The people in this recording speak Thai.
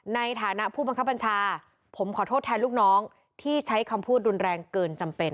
ในฐานะผู้บังคับบัญชาผมขอโทษแทนลูกน้องที่ใช้คำพูดรุนแรงเกินจำเป็น